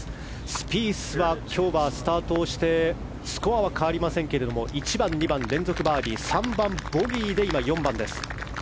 スピースは、今日スタートをしてスコアは変わりませんが１番、２番連続バーディー３番、ボギーで今、４番です。